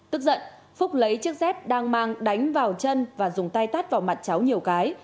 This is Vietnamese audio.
tức giận phúc lấy chiếc dép đang mang đánh vào chân và dùng tay tắt vào mặt cháu nhiều cái